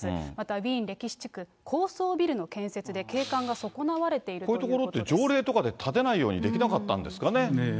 またウィーン歴史地区高層ビルの建設で景観が損なわれているといこういうとこって、条例とかで建てないようにできなかったんですかね。